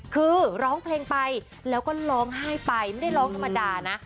คือร้องเพลงไปแล้วก็ร้องไห้ไปไม่ได้ร้องธรรมดานะ